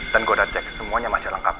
dan gue udah cek semuanya masih lengkap